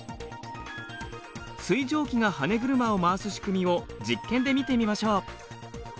水蒸気がはね車を回す仕組みを実験で見てみましょう。